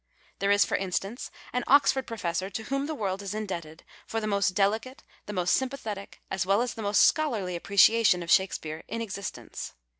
There is, for instance, an Oxford professor to whom the world is indebted for the most delicate, the most sympa thetic, as well as the most scholarly appreciation of Shakespeare in existence.